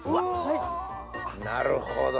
なるほど！